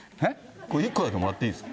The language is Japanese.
これ、１個だけもらっていいですか？